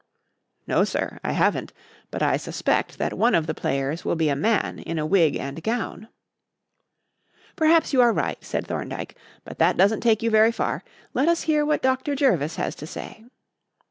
"No, sir, I haven't; but I suspect that one of the players will be a man in a wig and gown." "Perhaps you are right," said Thorndyke; "but that doesn't take you very far. Let us hear what Dr. Jervis has to say."